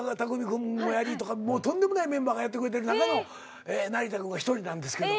君もやりとかもうとんでもないメンバーがやってくれてる中の成田君が一人なんですけど。